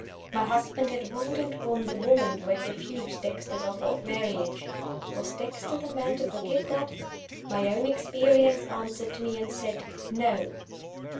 My husband had wooed and won the woman who had refused Dexter's offer of marriage. Was Dexter the man to forgive that? My own experience answered me, and said, No.